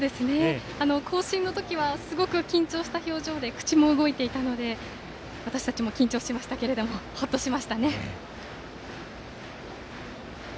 行進の時はすごく緊張した表情で口も動いていたので私たちも緊張しましたけどほっとしましたね。